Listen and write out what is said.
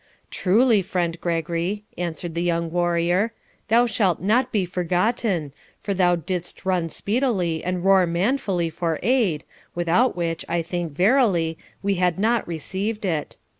'Truly, friend Gregory,' answered the young warrior,'thou shalt not be forgotten, for thou didst run speedily, and roar manfully for aid, without which, I think verily, we had not received it.